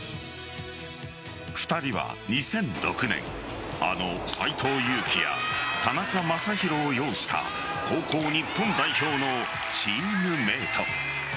２人は２００６年あの斎藤佑樹や田中将大を擁した高校日本代表のチームメート。